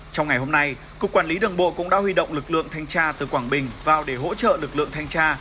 trong ngày hôm nay cục quản lý đường bộ cũng đã huy động lực lượng thanh tra từ quảng bình vào để hỗ trợ lực lượng thanh tra